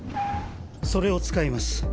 それを使います。